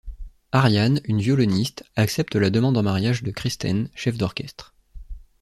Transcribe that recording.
Ariane, une violoniste, accepte la demande en mariage de Christen, chef d'orchestre.